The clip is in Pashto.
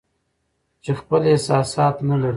چې خپل احساسات نه لري